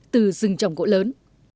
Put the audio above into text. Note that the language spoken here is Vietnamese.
từ rừng trồng gỗ lớn